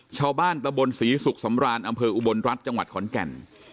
ชาวบ้านตะบนศรีสุขสำรานอำเภออุบลรัฐจังหวัดขอนแก่น